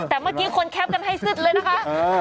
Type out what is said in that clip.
แต่เมื่อกี้คนแคปกันให้ซึดเลยนะคะ